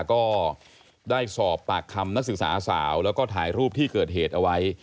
ก็ได้สอบปากคำนักศึกษาสาวแล้วก็ถ่ายรูปที่เกิดเหตุเอาไว้